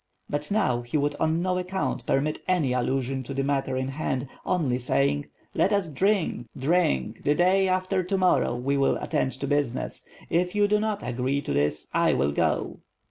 But now, he would on no account permit any allusion to the matter in hand, only saying, "Let us drink— drink — the day after to morrow we will attend to business. If you do not agree to that I will go."